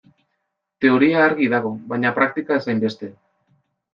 Teoria argi dago, baina praktika ez hainbeste.